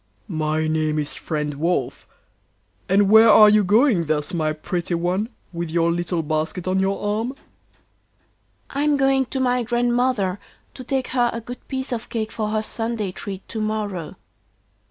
'My name is friend Wolf. And where are you going thus, my pretty one, with your little basket on your arm?' 'I am going to my Grandmother, to take her a good piece of cake for her Sunday treat to morrow.